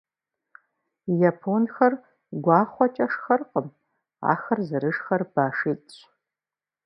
Японхэр гуахъуэкӏэ шхэркъым, ахэр зэрышхэр башитӏщ.